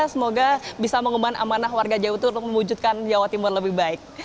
semoga bisa mengumumkan amanah warga jawa itu untuk memujudkan jawa timur lebih baik